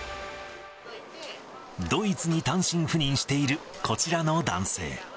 ドイツに単身赴任しているこちらの男性。